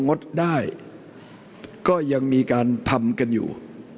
งดได้ก็ยังมีการทำกันอยู่